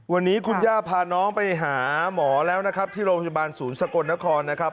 วันนี้คุณย่าพาน้องไปหาหมอแล้วนะครับที่โรงพยาบาลศูนย์สกลนครนะครับ